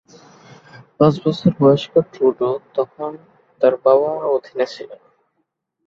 পাঁচ বছর বয়স্ক ট্রুডো তখন তার বাবার অধীনে ছিলেন।